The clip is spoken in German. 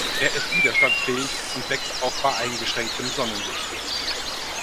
Er ist widerstandsfähig und wächst auch bei eingeschränktem Sonnenlicht.